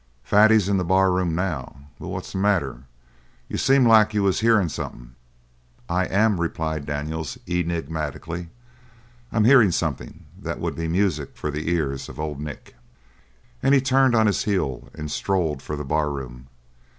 Fatty's in the barroom now. But what's the matter? You seem like you was hearin' something?" "I am," replied Daniels enigmatically. "I'm hearin' something that would be music for the ears of Old Nick." And he turned on his heel and strode for the barroom.